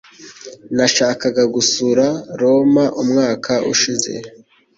Nashakaga gusura Roma umwaka ushize.